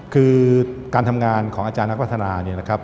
คือการทำงานของอาจารย์นักพัฒนา